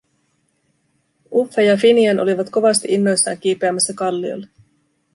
Uffe ja Finian olivat kovasti innoissaan kiipeämässä kalliolle.